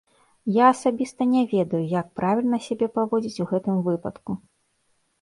Я асабіста не ведаю, як правільна сябе паводзіць у гэтым выпадку.